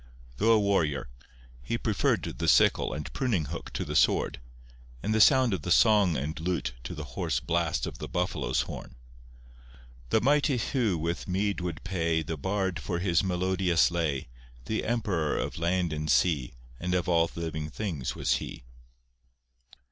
though a warrior, he preferred the sickle and pruning hook to the sword, and the sound of the song and lute to the hoarse blast of the buffalo's horn:— The mighty Hu with mead would pay The bard for his melodious lay; The Emperor of land and sea And of all livings things was he.